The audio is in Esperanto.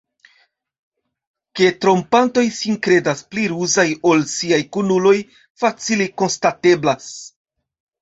Ke trompantoj sin kredas pli ruzaj ol siaj kunuloj, facile konstateblas.